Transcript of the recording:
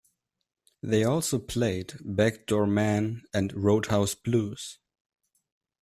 They also played "Back Door Man" and "Roadhouse Blues".